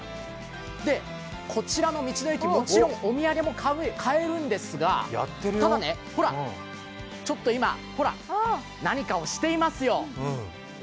こちらの道の駅、もちろんお土産も買えるんですがただ、ほら、ちょっと今、何かをしていますよ。